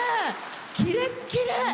キレッキレ！